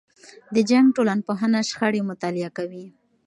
د جنګ ټولنپوهنه شخړې مطالعه کوي.